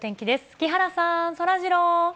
木原さん、そらジロー。